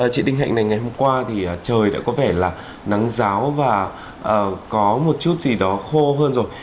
chị đinh hạnh này ngày hôm qua thì trời đã có vẻ là nắng giáo và có một chút gì đó khô hơn rồi